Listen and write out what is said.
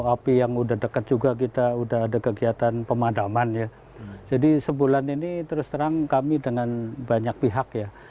api yang udah dekat juga kita udah ada kegiatan pemadaman ya jadi sebulan ini terus terang kami dengan banyak pihak ya